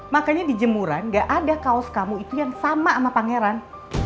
makanya di jemuran gak ada kaos kamu itu yang sama sama pangeran